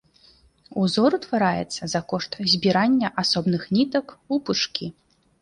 Узор утвараецца за кошт збірання асобных нітак у пучкі.